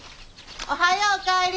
おはようお帰り。